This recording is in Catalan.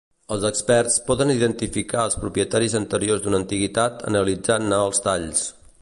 Els experts poden identificar els propietaris anteriors d'una antiguitat analitzant-ne els talls.